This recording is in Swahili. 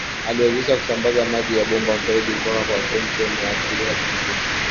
Aliwezesha kusambaza maji ya bomba mfereji kutoka kwa chechem ya asili hadi Mjini